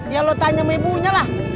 ya lo tanya sama ibunya lah